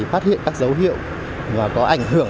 phát hiện các dấu hiệu có ảnh hưởng